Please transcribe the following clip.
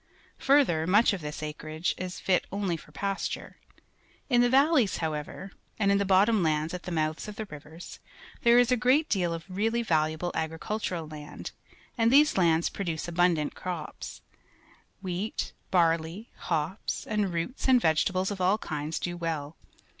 Further, much of this acreage is fit only for pasture. In the valleys, however, and in the bottom lands at the mouths of the rivers, there is a gi'eat deal of really valuable agricultural land, and these lands produce abundant crops, "^jie at, barley, hops, and roots and vegetables of all kinds do well.